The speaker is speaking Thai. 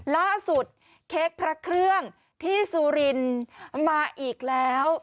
ล่าสุดเค้กพระเครื่องที่สุรินต์มาอีกแล้ว